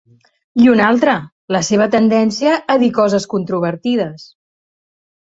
I una altra, la seva tendència a dir coses controvertides.